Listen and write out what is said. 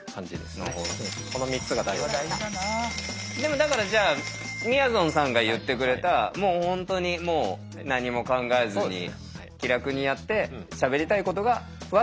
でもだからじゃあみやぞんさんが言ってくれた本当にもう何も考えずに気楽にやってしゃべりたいことがワッと出てきた。